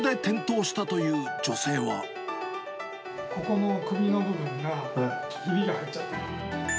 ここの首の部分が、ひびが入っちゃってる。